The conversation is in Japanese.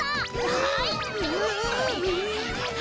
はい！